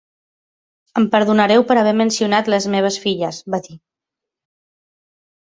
"Em perdonareu per haver mencionat les meves filles" -va dir.